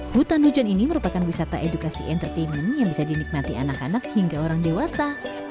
hutan hujan ini merupakan wisata edukasi entertainment yang bisa dinikmati anak anak hingga orang dewasa